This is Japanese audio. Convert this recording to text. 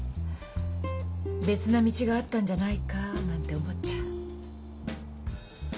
別な道があったんじゃないかなんて思っちゃう。